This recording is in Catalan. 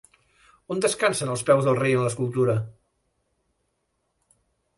On descansen els peus del rei en l'escultura?